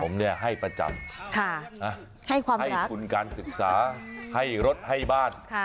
ผมเนี่ยให้ประจำค่ะให้ความรักให้ทุนการศึกษาให้รถให้บ้าน